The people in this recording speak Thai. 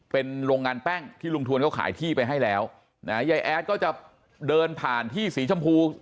เป็นโรงงานแป้งที่ลุงทวนเขาขายที่ไปให้แล้วนะยายแอดก็จะเดินผ่านที่สีชมพู